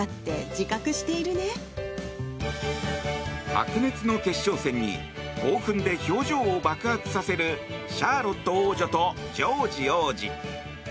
白熱の決勝戦に興奮で表情を爆発させるシャーロット王女とジョージ王子。